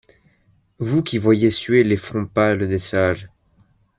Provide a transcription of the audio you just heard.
Vous qui voyez suer les fronts pâles des sages